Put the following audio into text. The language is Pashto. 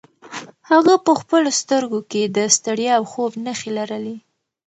هغه په خپلو سترګو کې د ستړیا او خوب نښې لرلې.